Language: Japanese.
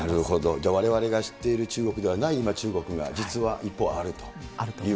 ではわれわれが知っている中国ではない、今、中国が実は一方あると。